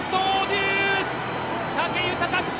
武豊騎手！